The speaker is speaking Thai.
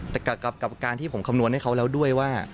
แต่กับการที่ผมคำนวณให้เขาแล้วด้วยว่า